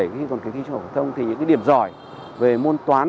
khi còn kỳ thi trung học phổ thông thì những điểm giỏi về môn toán